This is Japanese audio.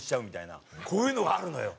こういうのがあるのよ。